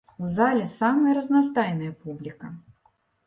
У зале самая разнастайная публіка.